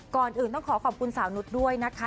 ก่อนอื่นต้องขอขอบคุณสาวนุษย์ด้วยนะคะ